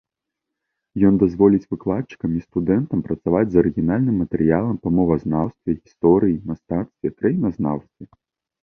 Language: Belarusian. Ён дазволіць выкладчыкам і студэнтам працаваць з арыгінальным матэрыялам па мовазнаўстве, гісторыі, мастацтве, краіназнаўстве.